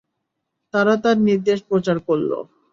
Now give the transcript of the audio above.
তারা তাঁর নির্দেশ প্রচার করল।